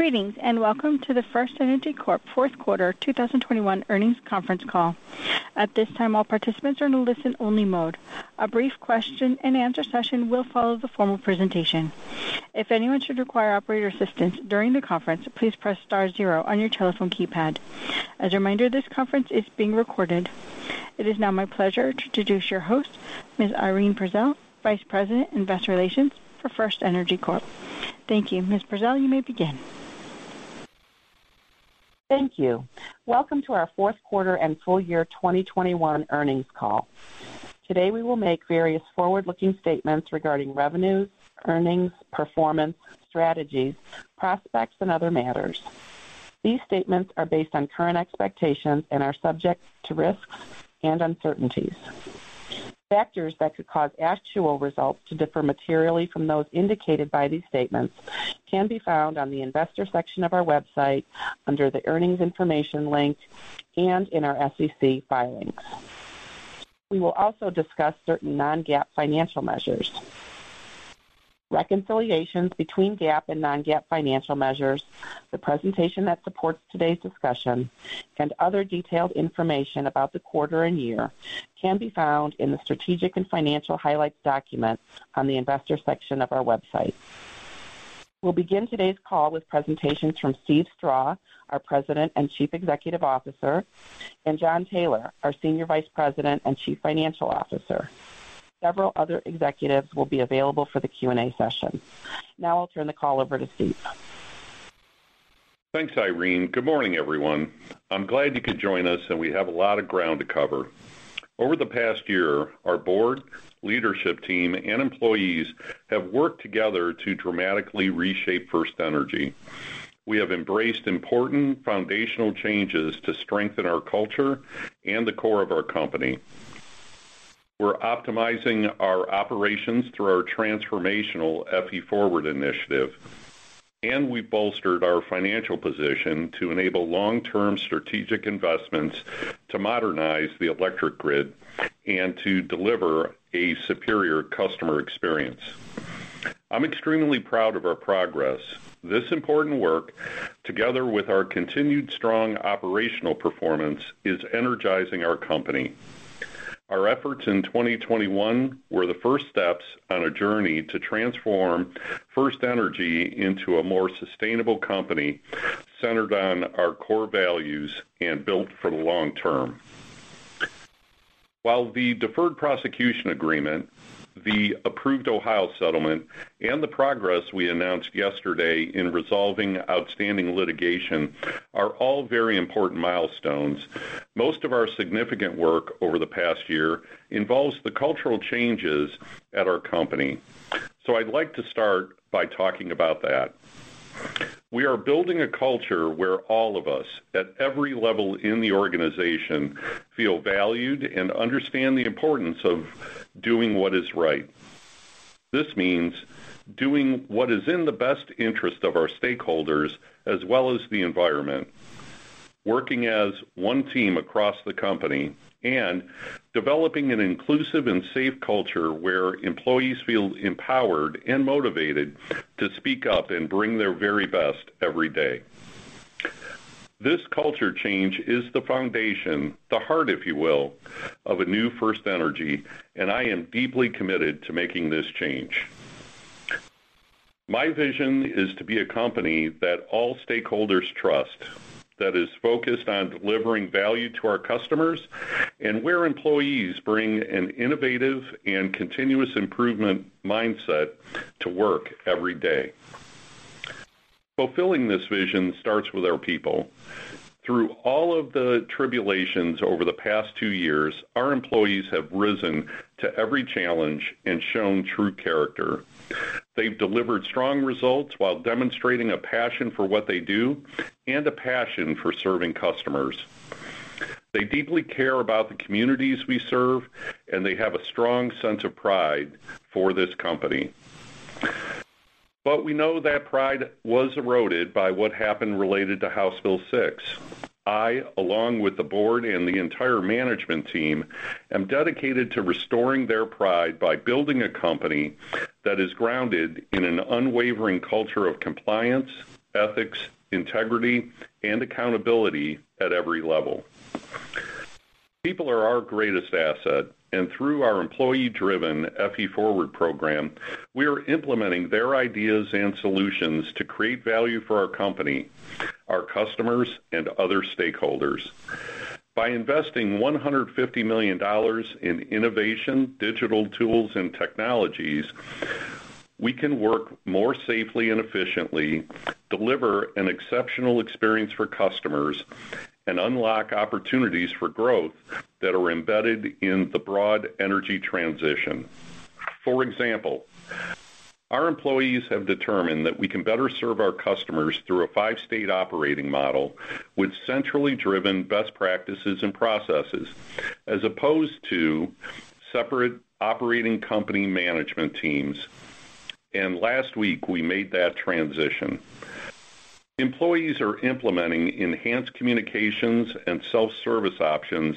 Greetings, and welcome to the FirstEnergy Corp. fourth quarter 2021 earnings conference call. At this time, all participants are in a listen-only mode. A brief question-and-answer session will follow the formal presentation. If anyone should require operator assistance during the conference, please press star zero on your telephone keypad. As a reminder, this conference is being recorded. It is now my pleasure to introduce your host, Ms. Irene Prezelj, Vice President, Investor Relations for FirstEnergy Corp. Thank you. Ms. Prezelj, you may begin. Thank you. Welcome to our fourth quarter and full year 2021 earnings call. Today, we will make various forward-looking statements regarding revenues, earnings, performance, strategies, prospects, and other matters. These statements are based on current expectations and are subject to risks and uncertainties. Factors that could cause actual results to differ materially from those indicated by these statements can be found on the investor section of our website under the Earnings Information link and in our SEC filings. We will also discuss certain non-GAAP financial measures. Reconciliations between GAAP and non-GAAP financial measures, the presentation that supports today's discussion, and other detailed information about the quarter and year can be found in the Strategic and Financial Highlights document on the investor section of our website. We'll begin today's call with presentations from Steve Strah, our President and Chief Executive Officer, and Jon Taylor, our Senior Vice President and Chief Financial Officer. Several other executives will be available for the Q&A session. Now I'll turn the call over to Steve. Thanks, Irene. Good morning, everyone. I'm glad you could join us, and we have a lot of ground to cover. Over the past year, our board, leadership team, and employees have worked together to dramatically reshape FirstEnergy. We have embraced important foundational changes to strengthen our culture and the core of our company. We're optimizing our operations through our transformational FE Forward initiative, and we bolstered our financial position to enable long-term strategic investments to modernize the electric grid and to deliver a superior customer experience. I'm extremely proud of our progress. This important work, together with our continued strong operational performance, is energizing our company. Our efforts in 2021 were the first steps on a journey to transform FirstEnergy into a more sustainable company centered on our core values and built for the long term. While the deferred prosecution agreement, the approved Ohio settlement, and the progress we announced yesterday in resolving outstanding litigation are all very important milestones, most of our significant work over the past year involves the cultural changes at our company. I'd like to start by talking about that. We are building a culture where all of us at every level in the organization feel valued and understand the importance of doing what is right. This means doing what is in the best interest of our stakeholders as well as the environment, working as one team across the company, and developing an inclusive and safe culture where employees feel empowered and motivated to speak up and bring their very best every day. This culture change is the foundation, the heart, if you will, of a new FirstEnergy, and I am deeply committed to making this change. My vision is to be a company that all stakeholders trust, that is focused on delivering value to our customers, and where employees bring an innovative and continuous improvement mindset to work every day. Fulfilling this vision starts with our people. Through all of the tribulations over the past two years, our employees have risen to every challenge and shown true character. They've delivered strong results while demonstrating a passion for what they do and a passion for serving customers. They deeply care about the communities we serve, and they have a strong sense of pride for this company. We know that pride was eroded by what happened related to House Bill 6. I, along with the board and the entire management team, am dedicated to restoring their pride by building a company that is grounded in an unwavering culture of compliance, ethics, integrity, and accountability at every level. People are our greatest asset, and through our employee-driven FE Forward program, we are implementing their ideas and solutions to create value for our company, our customers, and other stakeholders. By investing $150 million in innovation, digital tools, and technologies, we can work more safely and efficiently, deliver an exceptional experience for customers, and unlock opportunities for growth that are embedded in the broad energy transition. For example, our employees have determined that we can better serve our customers through a five-state operating model with centrally driven best practices and processes, as opposed to separate operating company management teams. Last week, we made that transition. Employees are implementing enhanced communications and self-service options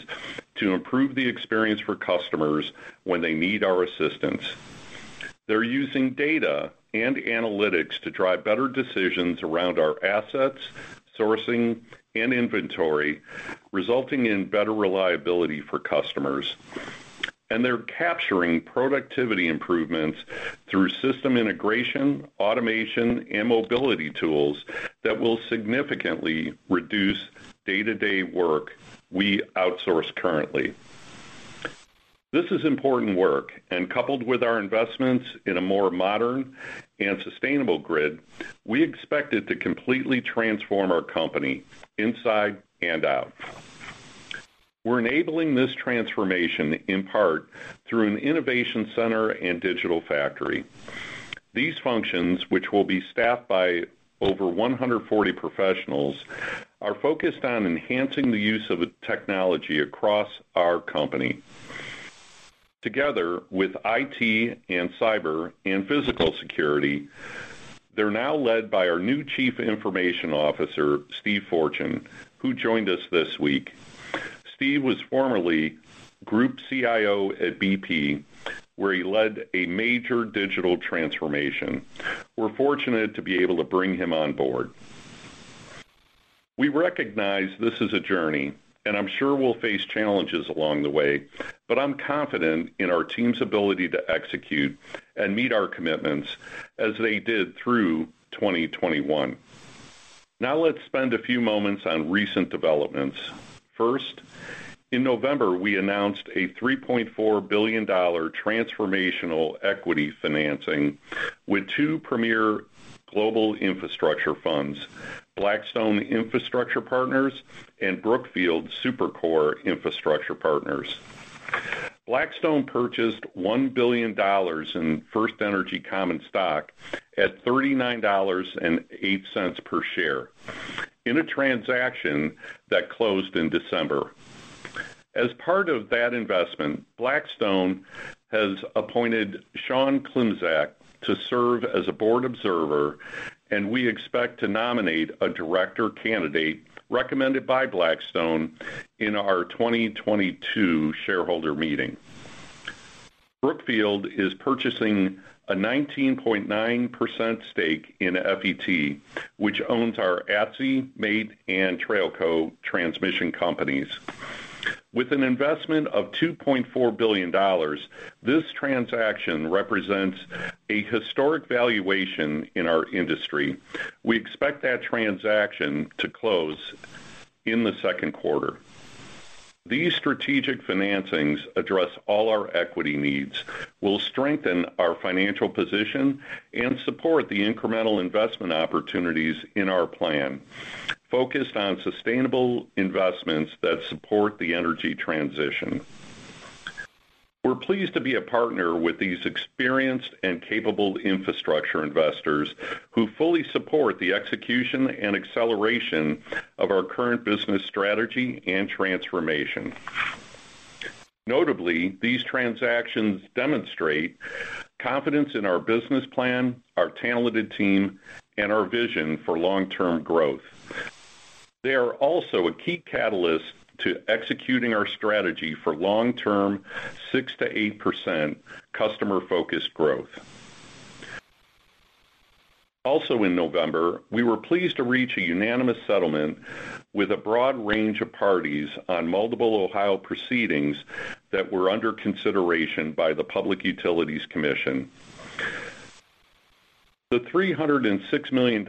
to improve the experience for customers when they need our assistance. They're using data and analytics to drive better decisions around our assets, sourcing, and inventory, resulting in better reliability for customers. They're capturing productivity improvements through system integration, automation, and mobility tools that will significantly reduce day-to-day work we outsource currently. This is important work, and coupled with our investments in a more modern and sustainable grid, we expect it to completely transform our company inside and out. We're enabling this transformation in part through an innovation center and digital factory. These functions, which will be staffed by over 140 professionals, are focused on enhancing the use of technology across our company. Together with IT and cyber and physical security, they're now led by our new Chief Information Officer, Steve Fortune, who joined us this week. Steve was formerly Group CIO at BP, where he led a major digital transformation. We're fortunate to be able to bring him on board. We recognize this is a journey, and I'm sure we'll face challenges along the way, but I'm confident in our team's ability to execute and meet our commitments as they did through 2021. Now let's spend a few moments on recent developments. First, in November, we announced a $3.4 billion transformational equity financing with two premier global infrastructure funds, Blackstone Infrastructure Partners and Brookfield Super-Core Infrastructure Partners. Blackstone purchased $1 billion in FirstEnergy common stock at $39.08 per share in a transaction that closed in December. As part of that investment, Blackstone has appointed Sean Klimczak to serve as a board observer, and we expect to nominate a director candidate recommended by Blackstone in our 2022 shareholder meeting. Brookfield is purchasing a 19.9% stake in FET, which owns our ATSI, MAIT, and TrAILCo transmission companies. With an investment of $2.4 billion, this transaction represents a historic valuation in our industry. We expect that transaction to close in the second quarter. These strategic financings address all our equity needs, will strengthen our financial position, and support the incremental investment opportunities in our plan, focused on sustainable investments that support the energy transition. We're pleased to be a partner with these experienced and capable infrastructure investors who fully support the execution and acceleration of our current business strategy and transformation. Notably, these transactions demonstrate confidence in our business plan, our talented team, and our vision for long-term growth. They are also a key catalyst to executing our strategy for long-term 6%-8% customer-focused growth. Also in November, we were pleased to reach a unanimous settlement with a broad range of parties on multiple Ohio proceedings that were under consideration by the Public Utilities Commission. The $306 million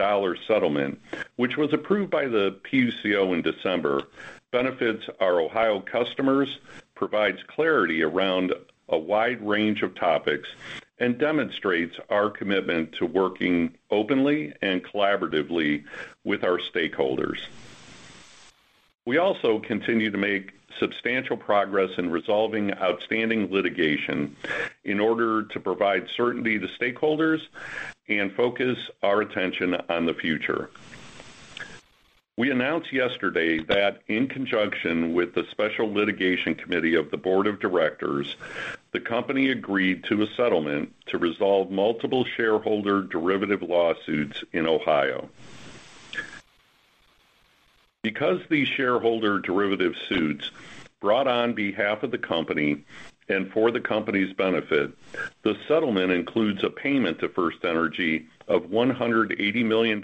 settlement, which was approved by the PUCO in December, benefits our Ohio customers, provides clarity around a wide range of topics, and demonstrates our commitment to working openly and collaboratively with our stakeholders. We also continue to make substantial progress in resolving outstanding litigation in order to provide certainty to stakeholders and focus our attention on the future. We announced yesterday that in conjunction with the Special Litigation Committee of the Board of Directors, the company agreed to a settlement to resolve multiple shareholder derivative lawsuits in Ohio. Because these shareholder derivative suits brought on behalf of the company and for the company's benefit, the settlement includes a payment to FirstEnergy of $180 million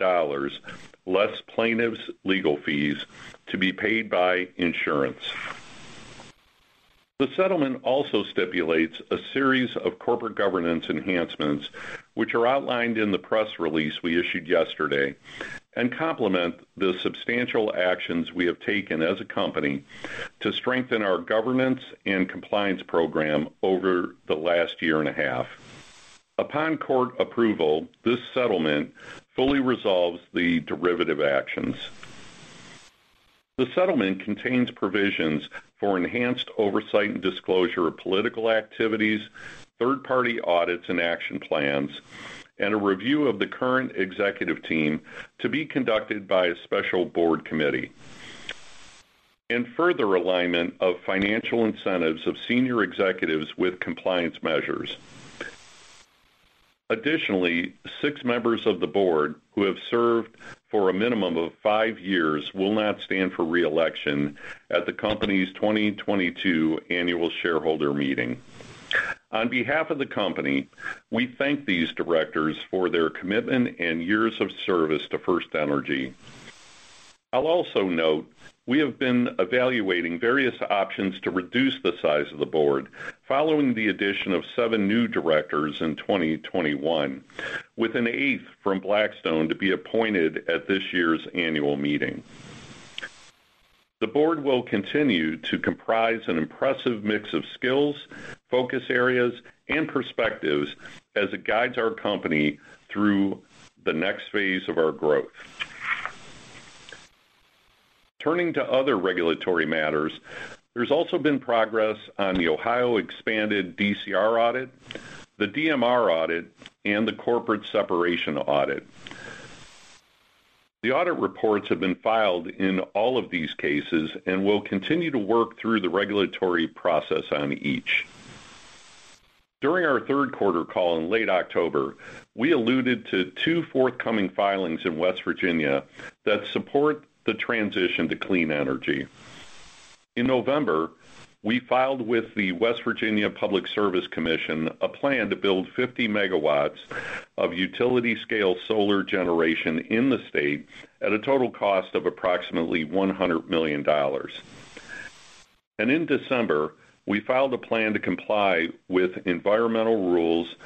less plaintiff's legal fees to be paid by insurance. The settlement also stipulates a series of corporate governance enhancements, which are outlined in the press release we issued yesterday and complement the substantial actions we have taken as a company to strengthen our governance and compliance program over the last year and a half. Upon court approval, this settlement fully resolves the derivative actions. The settlement contains provisions for enhanced oversight and disclosure of political activities, third-party audits and action plans, and a review of the current executive team to be conducted by a special board committee. Further alignment of financial incentives of senior executives with compliance measures. Additionally, six members of the board who have served for a minimum of five years will not stand for re-election at the company's 2022 annual shareholder meeting. On behalf of the company, we thank these directors for their commitment and years of service to FirstEnergy. I'll also note we have been evaluating various options to reduce the size of the board following the addition of seven new directors in 2021, with an eighth from Blackstone to be appointed at this year's annual meeting. The board will continue to comprise an impressive mix of skills, focus areas, and perspectives as it guides our company through the next phase of our growth. Turning to other regulatory matters, there's also been progress on the Ohio expanded DCR audit, the DMR audit, and the corporate separation audit. The audit reports have been filed in all of these cases, and we'll continue to work through the regulatory process on each. During our third quarter call in late October, we alluded to two forthcoming filings in West Virginia that support the transition to clean energy. In November, we filed with the Public Service Commission of West Virginia a plan to build 50 MW of utility-scale solar generation in the state at a total cost of approximately $100 million. In December, we filed a plan to comply with environmental rules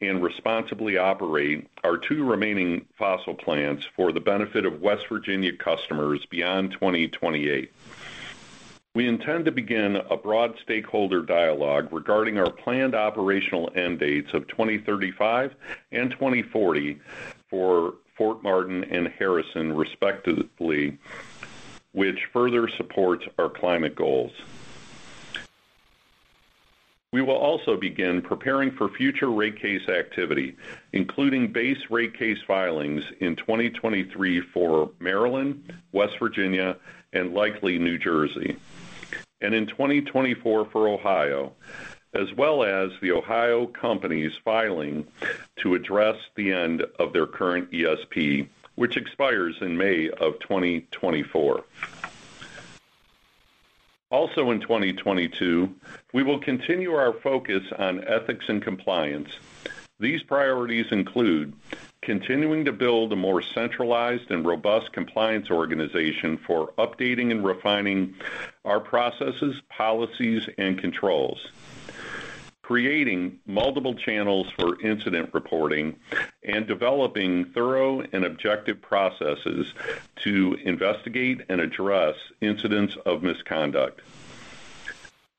and responsibly operate our two remaining fossil plants for the benefit of West Virginia customers beyond 2028. We intend to begin a broad stakeholder dialogue regarding our planned operational end dates of 2035 and 2040 for Fort Martin and Harrison, respectively, which further supports our climate goals. We will also begin preparing for future rate case activity, including base rate case filings in 2023 for Maryland, West Virginia, and likely New Jersey. In 2024 for Ohio, as well as the Ohio company's filing to address the end of their current ESP, which expires in May 2024. Also in 2022, we will continue our focus on ethics and compliance. These priorities include continuing to build a more centralized and robust compliance organization for updating and refining our processes, policies, and controls. Creating multiple channels for incident reporting and developing thorough and objective processes to investigate and address incidents of misconduct.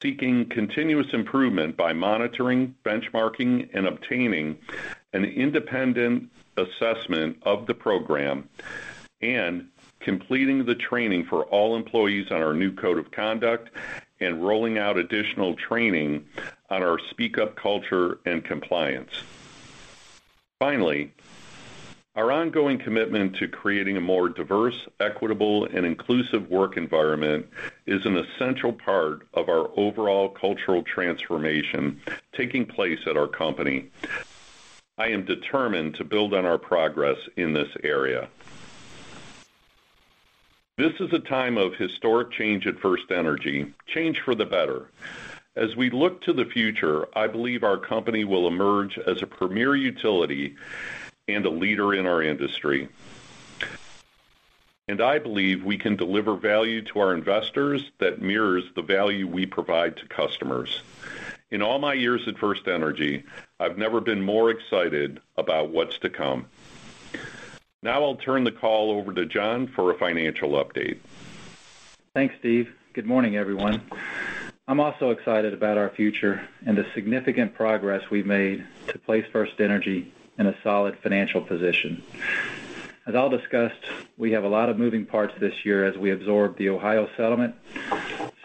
Seeking continuous improvement by monitoring, benchmarking, and obtaining an independent assessment of the program, and completing the training for all employees on our new code of conduct and rolling out additional training on our speak up culture and compliance. Finally, our ongoing commitment to creating a more diverse, equitable, and inclusive work environment is an essential part of our overall cultural transformation taking place at our company. I am determined to build on our progress in this area. This is a time of historic change at FirstEnergy, change for the better. As we look to the future, I believe our company will emerge as a premier utility and a leader in our industry. I believe we can deliver value to our investors that mirrors the value we provide to customers. In all my years at FirstEnergy, I've never been more excited about what's to come. Now I'll turn the call over to Jon for a financial update. Thanks, Steve. Good morning, everyone. I'm also excited about our future and the significant progress we've made to place FirstEnergy in a solid financial position. As I'll discussed, we have a lot of moving parts this year as we absorb the Ohio settlement,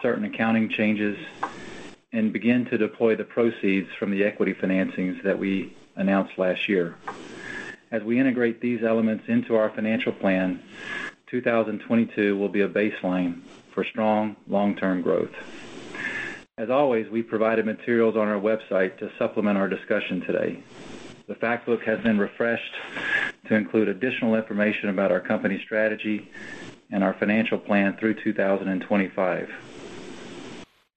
certain accounting changes, and begin to deploy the proceeds from the equity financings that we announced last year. As we integrate these elements into our financial plan, 2022 will be a baseline for strong long-term growth. As always, we've provided materials on our website to supplement our discussion today. The fact book has been refreshed to include additional information about our company strategy and our financial plan through 2025.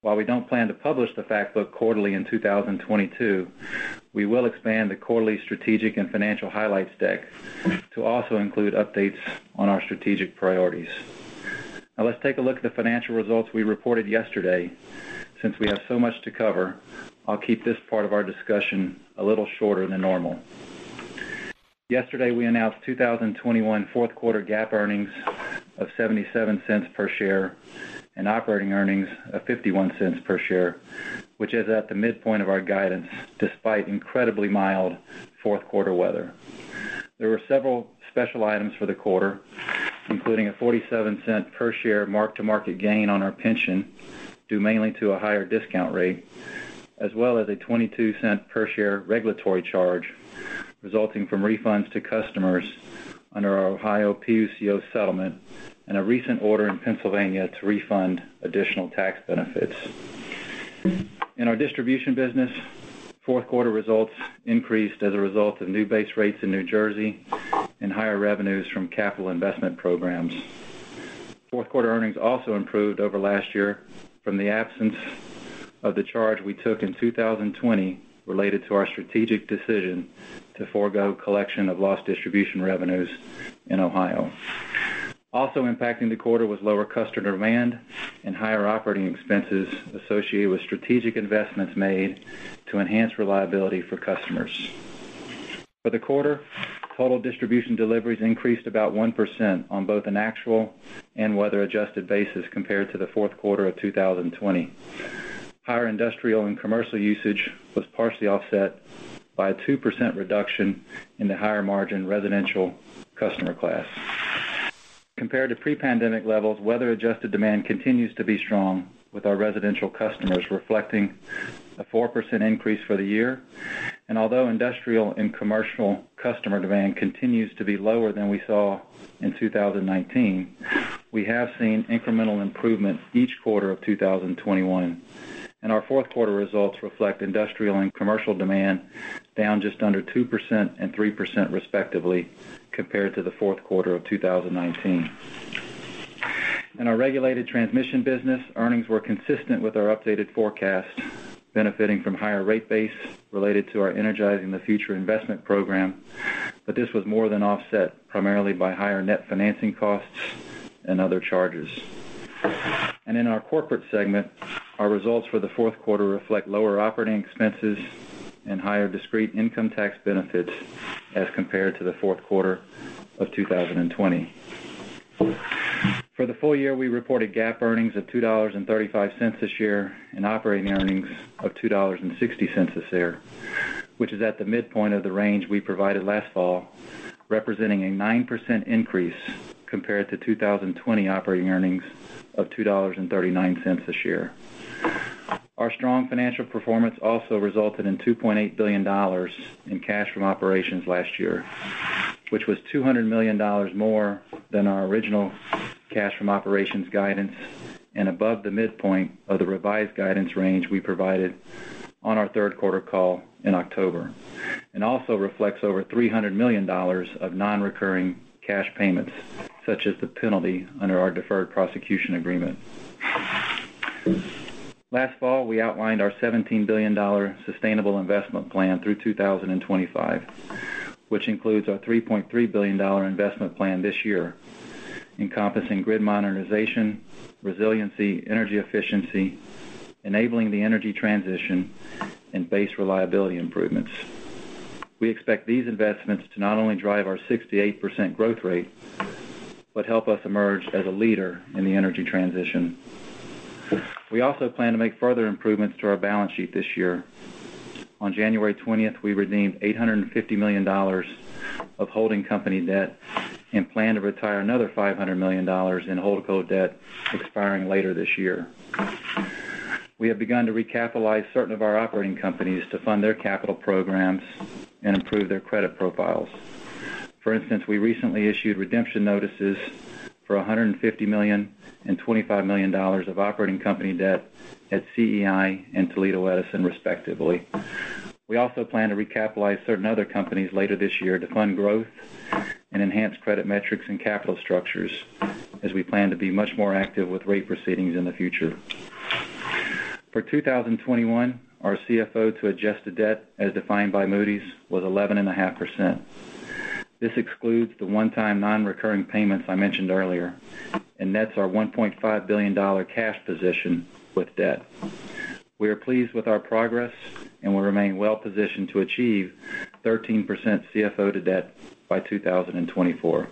While we don't plan to publish the fact book quarterly in 2022, we will expand the quarterly strategic and financial highlights deck to also include updates on our strategic priorities. Now let's take a look at the financial results we reported yesterday. Since we have so much to cover, I'll keep this part of our discussion a little shorter than normal. Yesterday, we announced 2021 fourth quarter GAAP earnings of $0.77 per share and operating earnings of $0.51 per share, which is at the midpoint of our guidance despite incredibly mild fourth quarter weather. There were several special items for the quarter, including a $0.47 per share mark-to-market gain on our pension, due mainly to a higher discount rate, as well as a $0.22 per share regulatory charge resulting from refunds to customers under our Ohio PUCO settlement and a recent order in Pennsylvania to refund additional tax benefits. In our distribution business, fourth quarter results increased as a result of new base rates in New Jersey and higher revenues from capital investment programs. Fourth quarter earnings also improved over last year from the absence of the charge we took in 2020 related to our strategic decision to forego collection of lost distribution revenues in Ohio. Also impacting the quarter was lower customer demand and higher operating expenses associated with strategic investments made to enhance reliability for customers. For the quarter, total distribution deliveries increased about 1% on both an actual and weather-adjusted basis compared to the fourth quarter of 2020. Higher industrial and commercial usage was partially offset by a 2% reduction in the higher-margin residential customer class. Compared to pre-pandemic levels, weather-adjusted demand continues to be strong with our residential customers reflecting a 4% increase for the year. Although industrial and commercial customer demand continues to be lower than we saw in 2019, we have seen incremental improvement each quarter of 2021. Our fourth quarter results reflect industrial and commercial demand down just under 2% and 3% respectively compared to the fourth quarter of 2019. In our regulated transmission business, earnings were consistent with our updated forecast, benefiting from higher rate base related to our Energizing the Future investment program. This was more than offset primarily by higher net financing costs and other charges. In our corporate segment, our results for the fourth quarter reflect lower operating expenses and higher discrete income tax benefits as compared to the fourth quarter of 2020. For the full year, we reported GAAP earnings of $2.35 this year and operating earnings of $2.60 this year, which is at the midpoint of the range we provided last fall, representing a 9% increase compared to 2020 operating earnings of $2.39 this year. Our strong financial performance also resulted in $2.8 billion in cash from operations last year, which was $200 million more than our original cash from operations guidance and above the midpoint of the revised guidance range we provided on our third quarter call in October. It also reflects over $300 million of non-recurring cash payments, such as the penalty under our deferred prosecution agreement. Last fall, we outlined our $17 billion sustainable investment plan through 2025, which includes our $3.3 billion investment plan this year, encompassing grid modernization, resiliency, energy efficiency, enabling the energy transition, and base reliability improvements. We expect these investments to not only drive our 6%-8% growth rate, but help us emerge as a leader in the energy transition. We also plan to make further improvements to our balance sheet this year. On January 20, we redeemed $850 million of holding company debt and plan to retire another $500 million in holdco debt expiring later this year. We have begun to recapitalize certain of our operating companies to fund their capital programs and improve their credit profiles. For instance, we recently issued redemption notices for $150 million and $25 million of operating company debt at CEI and Toledo Edison, respectively. We also plan to recapitalize certain other companies later this year to fund growth and enhance credit metrics and capital structures as we plan to be much more active with rate proceedings in the future. For 2021, our CFO to adjusted debt as defined by Moody's was 11.5%. This excludes the one-time non-recurring payments I mentioned earlier, and nets our $1.5 billion cash position with debt. We are pleased with our progress and will remain well-positioned to achieve 13% CFO to debt by 2024.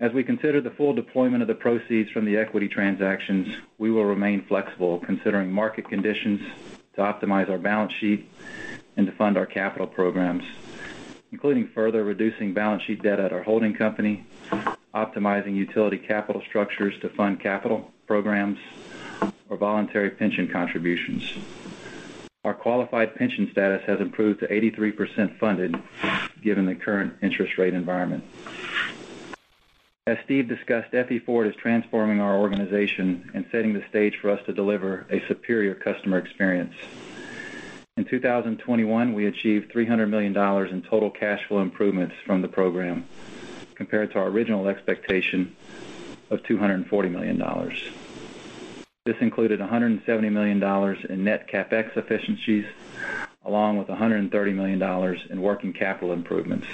As we consider the full deployment of the proceeds from the equity transactions, we will remain flexible considering market conditions to optimize our balance sheet and to fund our capital programs, including further reducing balance sheet debt at our holding company, optimizing utility capital structures to fund capital programs or voluntary pension contributions. Our qualified pension status has improved to 83% funded given the current interest rate environment. As Steve discussed, FE Forward is transforming our organization and setting the stage for us to deliver a superior customer experience. In 2021, we achieved $300 million in total cash flow improvements from the program compared to our original expectation of $240 million. This included $170 million in net CapEx efficiencies, along with $130 million in working capital improvements.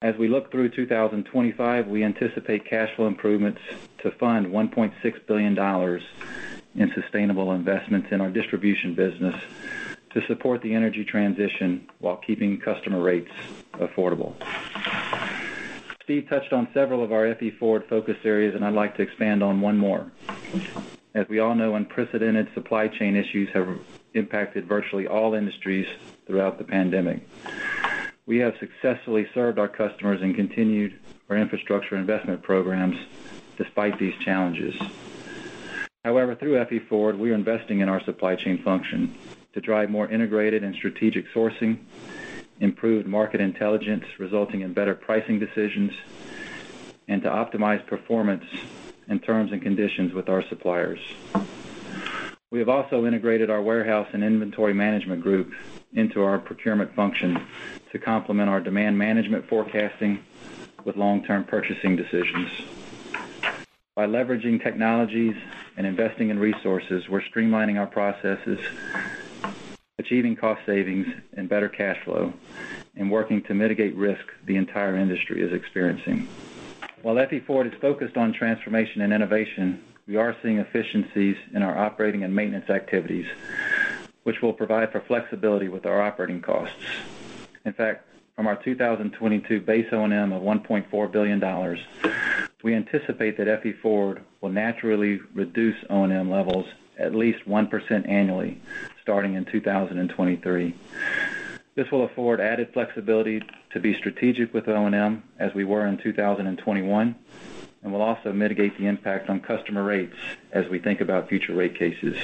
As we look through 2025, we anticipate cash flow improvements to fund $1.6 billion in sustainable investments in our distribution business to support the energy transition while keeping customer rates affordable. Steve touched on several of our FE Forward focus areas, and I'd like to expand on one more. As we all know, unprecedented supply chain issues have impacted virtually all industries throughout the pandemic. We have successfully served our customers and continued our infrastructure investment programs despite these challenges. However, through FE Forward, we are investing in our supply chain function to drive more integrated and strategic sourcing, improve market intelligence resulting in better pricing decisions, and to optimize performance and terms and conditions with our suppliers. We have also integrated our warehouse and inventory management group into our procurement function to complement our demand management forecasting with long-term purchasing decisions. By leveraging technologies and investing in resources, we're streamlining our processes, achieving cost savings and better cash flow, and working to mitigate risk the entire industry is experiencing. While FE Forward is focused on transformation and innovation, we are seeing efficiencies in our operating and maintenance activities, which will provide for flexibility with our operating costs. In fact, from our 2022 base O&M of $1.4 billion, we anticipate that FE Forward will naturally reduce O&M levels at least 1% annually starting in 2023. This will afford added flexibility to be strategic with O&M as we were in 2021, and will also mitigate the impact on customer rates as we think about future rate cases.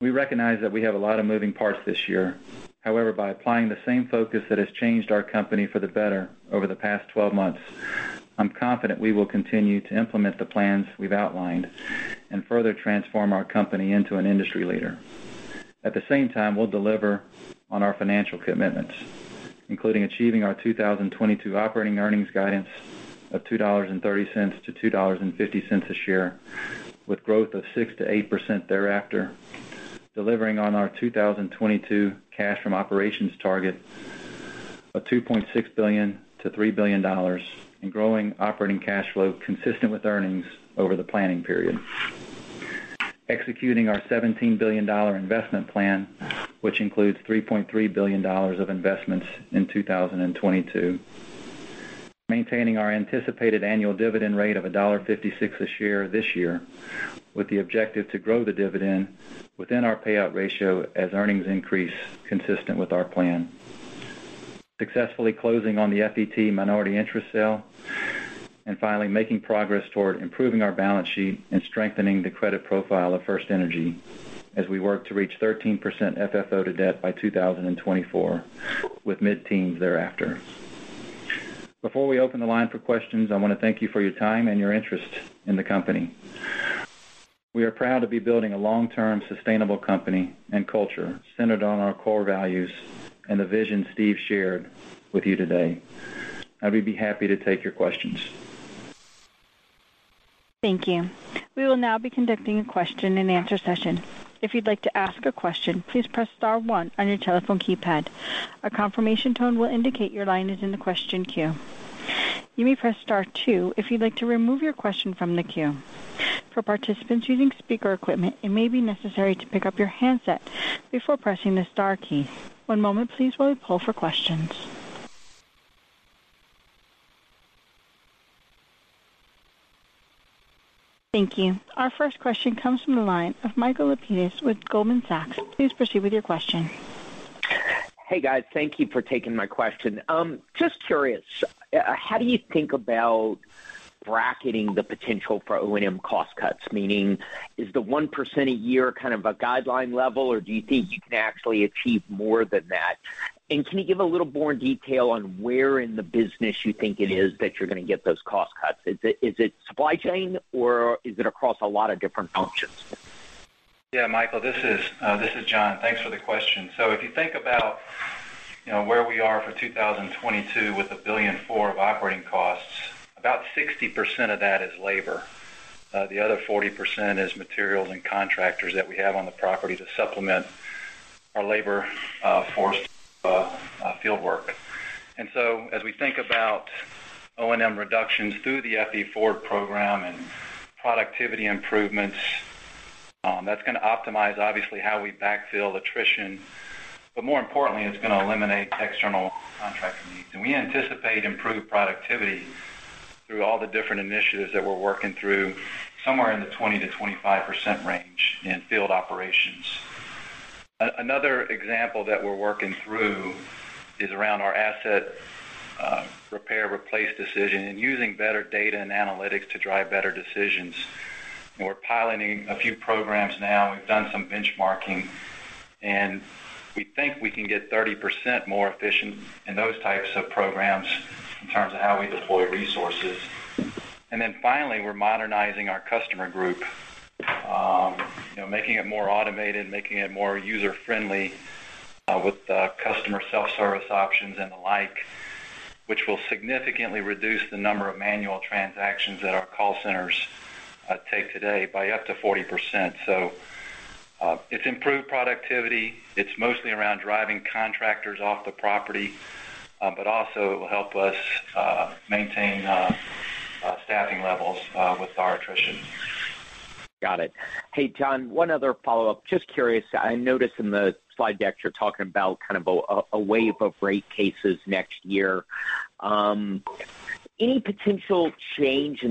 We recognize that we have a lot of moving parts this year. However, by applying the same focus that has changed our company for the better over the past 12 months, I'm confident we will continue to implement the plans we've outlined and further transform our company into an industry leader. At the same time, we'll deliver on our financial commitments, including achieving our 2022 operating earnings guidance of $2.30-$2.50 a share, with growth of 6%-8% thereafter. Delivering on our 2022 cash from operations target of $2.6 billion-$3 billion and growing operating cash flow consistent with earnings over the planning period. Executing our $17 billion investment plan, which includes $3.3 billion of investments in 2022. Maintaining our anticipated annual dividend rate of $1.56 a share this year, with the objective to grow the dividend within our payout ratio as earnings increase consistent with our plan. Successfully closing on the FET minority interest sale. Finally, making progress toward improving our balance sheet and strengthening the credit profile of FirstEnergy as we work to reach 13% FFO to debt by 2024, with mid-teens thereafter. Before we open the line for questions, I want to thank you for your time and your interest in the company. We are proud to be building a long-term sustainable company and culture centered on our core values and the vision Steve shared with you today. I will be happy to take your questions. Thank you. We will now be conducting a question and answer session. If you'd like to ask a question, please press star one on your telephone keypad. A confirmation tone will indicate your line is in the question queue. You may press star two if you'd like to remove your question from the queue. For participants using speaker equipment, it may be necessary to pick up your handset before pressing the star key. One moment please while we poll for questions. Thank you. Our first question comes from the line of Michael Lapides with Goldman Sachs. Please proceed with your question. Hey, guys. Thank you for taking my question. Just curious, how do you think about bracketing the potential for O&M cost cuts? Meaning is the 1% a year kind of a guideline level, or do you think you can actually achieve more than that? And can you give a little more detail on where in the business you think it is that you're going to get those cost cuts? Is it supply chain or is it across a lot of different functions? Yeah, Michael, this is Jon. Thanks for the question. If you think about, you know, where we are for 2022 with $1.4 billion of operating costs, about 60% of that is labor. The other 40% is materials and contractors that we have on the property to supplement our labor force field work. As we think about O&M reductions through the FE Forward program and productivity improvements, that's gonna optimize obviously how we backfill attrition, but more importantly, it's gonna eliminate external contracting needs. We anticipate improved productivity through all the different initiatives that we're working through somewhere in the 20%-25% range in field operations. Another example that we're working through is around our asset repair, replace decision and using better data and analytics to drive better decisions. We're piloting a few programs now. We've done some benchmarking, and we think we can get 30% more efficient in those types of programs in terms of how we deploy resources. Then finally, we're modernizing our customer group, you know, making it more automated, making it more user-friendly, with customer self-service options and the like, which will significantly reduce the number of manual transactions that our call centers take today by up to 40%. It's improved productivity. It's mostly around driving contractors off the property, but also it will help us maintain staffing levels with our attrition. Got it. Hey, Jon, one other follow-up. Just curious, I noticed in the slide deck you're talking about kind of a wave of rate cases next year. Any potential change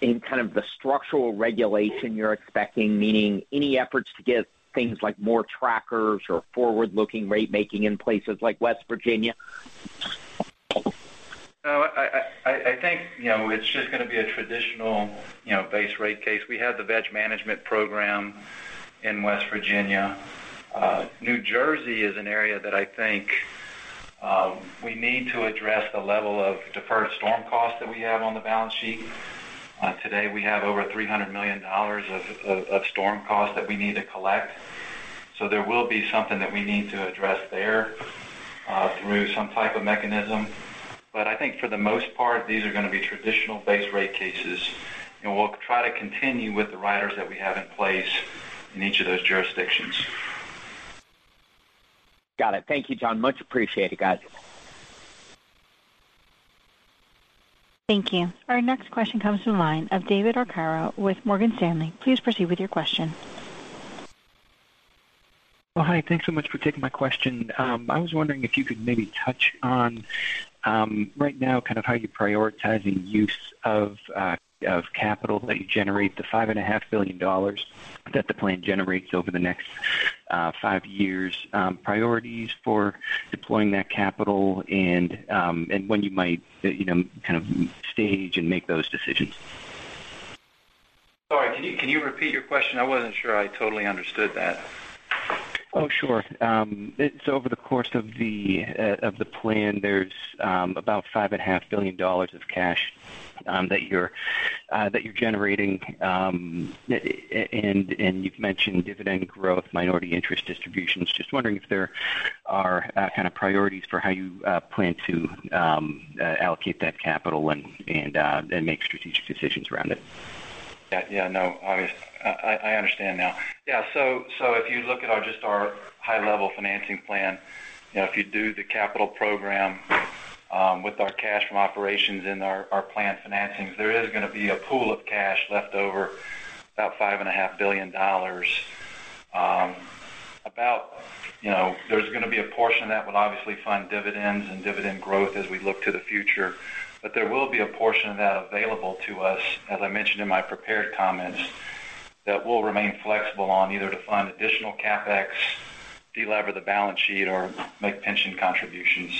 in kind of the structural regulation you're expecting, meaning any efforts to get things like more trackers or forward-looking rate making in places like West Virginia? No, I think, you know, it's just going to be a traditional, you know, base rate case. We have the vegetation management program in West Virginia. New Jersey is an area that I think we need to address the level of deferred storm costs that we have on the balance sheet. Today we have over $300 million of storm costs that we need to collect. There will be something that we need to address there through some type of mechanism. I think for the most part, these are going to be traditional base rate cases, and we'll try to continue with the riders that we have in place in each of those jurisdictions. Got it. Thank you, Jon. Much appreciated, guys. Thank you. Our next question comes from the line of David Arcaro with Morgan Stanley. Please proceed with your question. Well, hi, thanks so much for taking my question. I was wondering if you could maybe touch on right now kind of how you're prioritizing use of capital that you generate, the $5.5 billion that the plan generates over the next five years, priorities for deploying that capital and when you might, you know, kind of stage and make those decisions. Sorry, can you repeat your question? I wasn't sure I totally understood that. Oh, sure. It's over the course of the plan, there's about $5.5 billion of cash that you're generating. And you've mentioned dividend growth, minority interest distributions. Just wondering if there are kind of priorities for how you plan to allocate that capital and make strategic decisions around it. Yeah. No, obvious. I understand now. Yeah. If you look at our high-level financing plan, you know, if you do the capital program with our cash from operations and our planned financings, there is going to be a pool of cash left over about $5.5 billion. You know, there’s going to be a portion that would obviously fund dividends and dividend growth as we look to the future. But there will be a portion of that available to us, as I mentioned in my prepared comments, that we’ll remain flexible on either to fund additional CapEx, delever the balance sheet, or make pension contributions.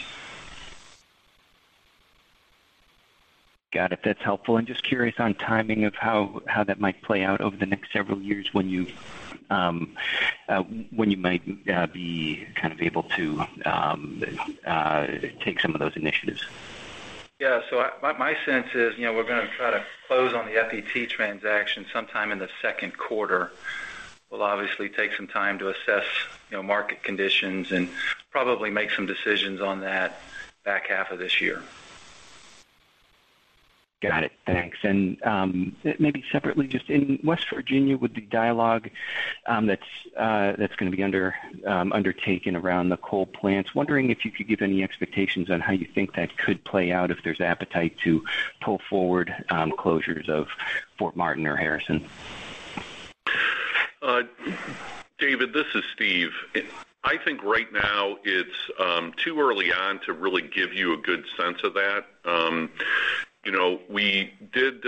Got it. That's helpful. Just curious on timing of how that might play out over the next several years when you might be kind of able to take some of those initiatives? Yeah. My sense is, you know, we're going to try to close on the FET transaction sometime in the second quarter. We'll obviously take some time to assess, you know, market conditions and probably make some decisions on that back half of this year. Got it. Thanks. Maybe separately, just in West Virginia with the dialogue, that's going to be undertaken around the coal plants. Wondering if you could give any expectations on how you think that could play out if there's appetite to pull forward closures of Fort Martin or Harrison. David, this is Steve. I think right now it's too early on to really give you a good sense of that. You know, we did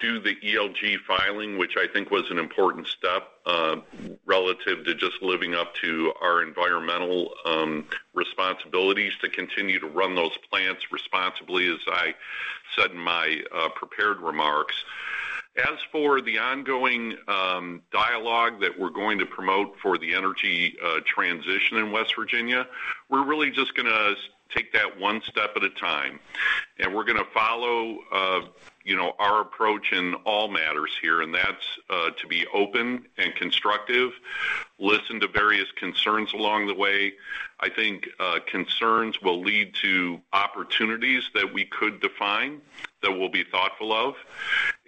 do the ELG filing, which I think was an important step relative to just living up to our environmental responsibilities to continue to run those plants responsibly, as I said in my prepared remarks. As for the ongoing dialogue that we're going to promote for the energy transition in West Virginia, we're really just gonna take that one step at a time. We're going to follow you know, our approach in all matters here, and that's to be open and constructive, listen to various concerns along the way. I think concerns will lead to opportunities that we could define that we'll be thoughtful of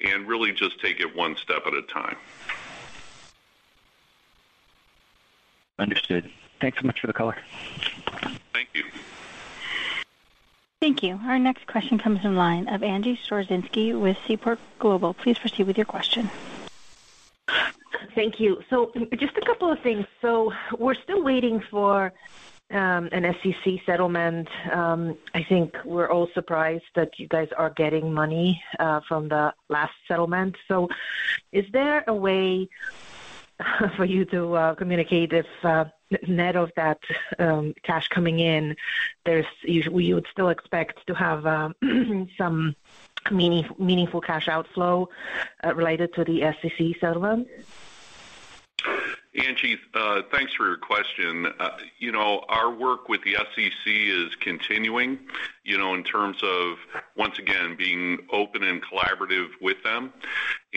and really just take it one step at a time. Understood. Thanks so much for the color. Thank you. Thank you. Our next question comes from the line of Angie Storozynski with Seaport Global. Please proceed with your question. Thank you. Just a couple of things. We're still waiting for an SEC settlement. I think we're all surprised that you guys are getting money from the last settlement. Is there a way for you to communicate if, net of that, cash coming in, you would still expect to have some meaningful cash outflow related to the SEC settlement? Angie, thanks for your question. You know, our work with the SEC is continuing, you know, in terms of, once again, being open and collaborative with them.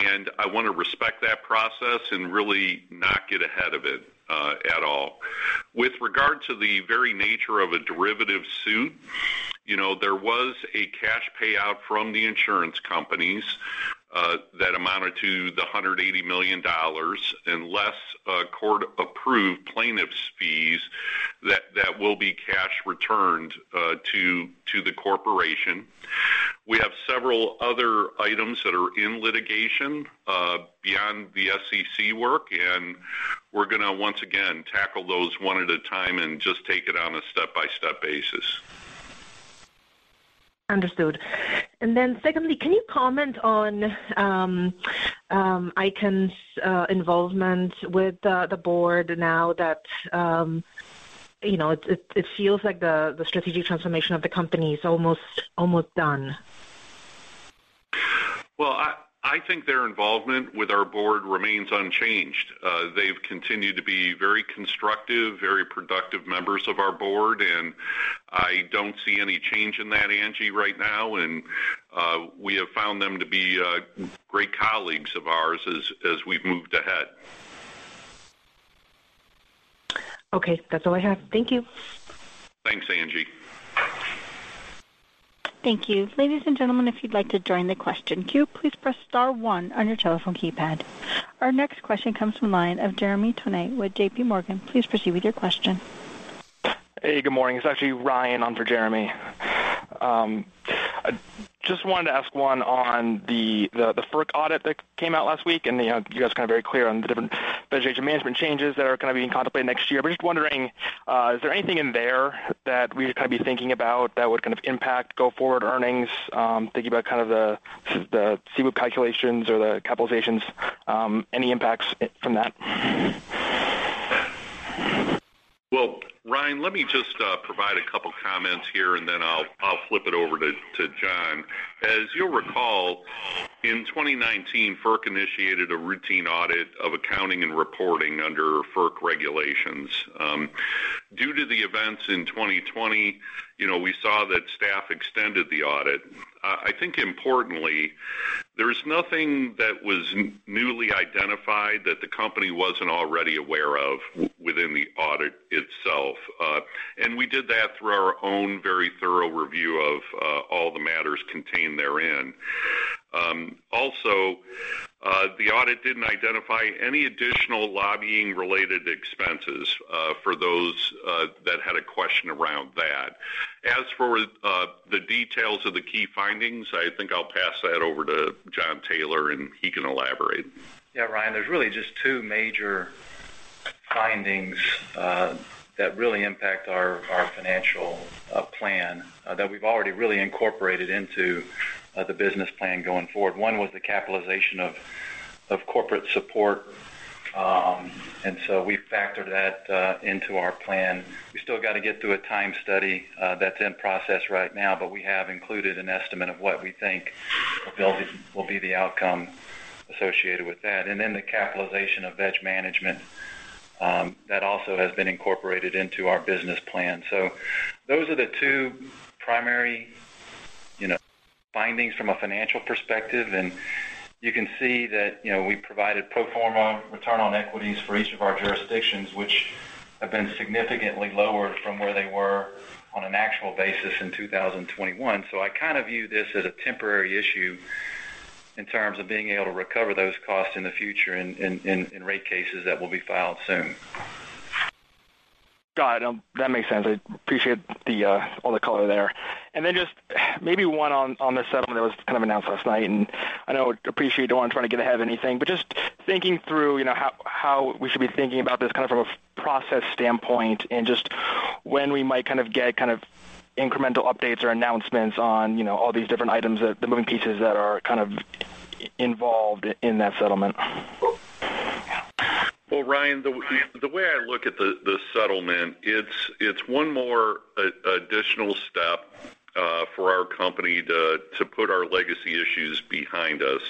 I want to respect that process and really not get ahead of it at all. With regard to the very nature of a derivative suit, you know, there was a cash payout from the insurance companies that amounted to $180 million less court-approved plaintiff's fees that will be cash returned to the corporation. We have several other items that are in litigation beyond the SEC work, and we're going to once again tackle those one at a time and just take it on a step-by-step basis. Understood. Secondly, can you comment on Icahn's involvement with the board now that you know it feels like the strategic transformation of the company is almost done? Well, I think their involvement with our board remains unchanged. They've continued to be very constructive, very productive members of our board, and I don't see any change in that, Angie, right now. We have found them to be great colleagues of ours as we've moved ahead. Okay. That's all I have. Thank you. Thanks, Angie. Thank you. Ladies and gentlemen, if you'd like to join the question queue, please press star one on your telephone keypad. Our next question comes from the line of Jeremy Tonet with J.P. Morgan. Please proceed with your question. Hey, good morning. It's actually Ryan on for Jeremy. I just wanted to ask one on the FERC audit that came out last week, and you know, you guys were kind of very clear on the different vegetation management changes that are kind of being contemplated next year. But just wondering, is there anything in there that we should kind of be thinking about that would kind of impact go forward earnings, thinking about kind of the CWIP calculations or the capitalizations, any impacts from that? Well, Ryan, let me just provide a couple comments here, and then I'll flip it over to Jon. As you'll recall, in 2019, FERC initiated a routine audit of accounting and reporting under FERC regulations. Due to the events in 2020, we saw that staff extended the audit. I think importantly, there's nothing that was newly identified that the company wasn't already aware of within the audit itself. We did that through our own very thorough review of all the matters contained therein. Also, the audit didn't identify any additional lobbying-related expenses, for those that had a question around that. As for the details of the key findings, I think I'll pass that over to Jon Taylor, and he can elaborate. Yeah, Ryan, there's really just two major findings that really impact our financial plan that we've already really incorporated into the business plan going forward. One was the capitalization of corporate support. We factored that into our plan. We still got to get through a time study that's in process right now, but we have included an estimate of what we think will be the outcome associated with that. The capitalization of veg management that also has been incorporated into our business plan. Those are the two primary, you know, findings from a financial perspective. You can see that, you know, we provided pro forma return on equities for each of our jurisdictions, which have been significantly lower from where they were on an actual basis in 2021. I kind of view this as a temporary issue in terms of being able to recover those costs in the future in rate cases that will be filed soon. Got it. That makes sense. I appreciate the all the color there. Then just maybe one on the settlement that was kind of announced last night, and I know, I appreciate you don't want to try to get ahead of anything, but just thinking through, you know, how we should be thinking about this kind of from a process standpoint and just when we might kind of get incremental updates or announcements on, you know, all these different items, the moving pieces that are kind of involved in that settlement. Well, Ryan, the way I look at the settlement, it's one more additional step for our company to put our legacy issues behind us.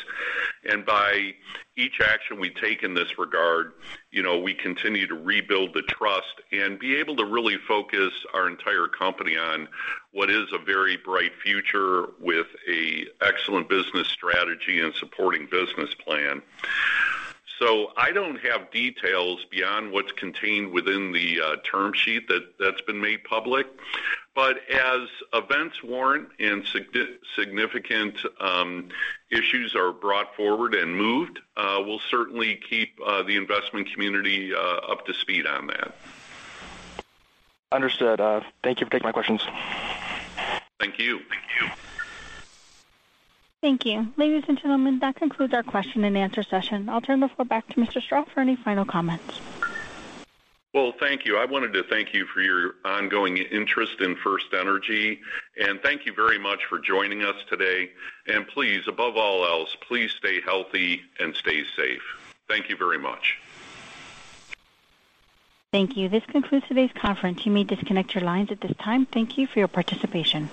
By each action we take in this regard, you know, we continue to rebuild the trust and be able to really focus our entire company on what is a very bright future with a excellent business strategy and supporting business plan. I don't have details beyond what's contained within the term sheet that's been made public. As events warrant and significant issues are brought forward and moved, we'll certainly keep the investment community up to speed on that. Understood. Thank you for taking my questions. Thank you. Thank you. Ladies and gentlemen, that concludes our question and answer session. I'll turn the floor back to Mr. Strah for any final comments. Well, thank you. I wanted to thank you for your ongoing interest in FirstEnergy, and thank you very much for joining us today. Please, above all else, please stay healthy and stay safe. Thank you very much. Thank you. This concludes today's conference. You may disconnect your lines at this time. Thank you for your participation.